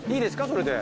それで。